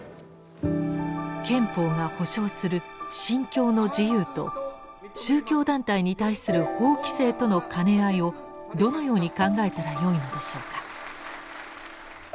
憲法が保障する「信教の自由」と宗教団体に対する法規制との兼ね合いをどのように考えたらよいのでしょうか？